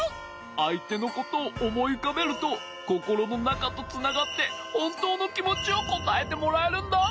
あいてのことをおもいうかべるとココロのなかとつながってほんとうのきもちをこたえてもらえるんだ。